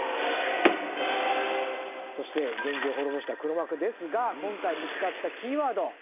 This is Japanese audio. そして源氏を滅ぼした黒幕ですが今回見つかったキーワード